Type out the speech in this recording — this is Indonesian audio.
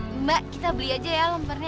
nah mbak kita beli aja ya lempernya ya